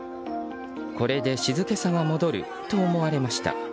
これで静けさが戻ると思われました。